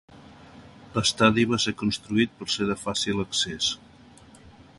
L'estadi va ser construït per ser de fàcil accés.